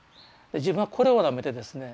自分はこれをなめてですね